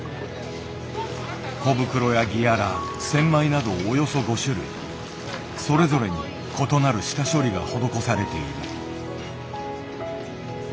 コブクロやギアラセンマイなどおよそ５種類それぞれに異なる下処理が施されている。